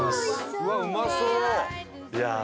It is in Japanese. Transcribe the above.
うわっうまそう！